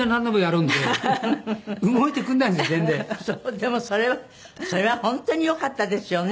でもそれはそれは本当によかったですよね。